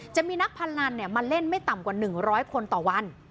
จะมีนักพนันมาเล่นไม่ต่ำกว่า๑๐๐คนต่อวัน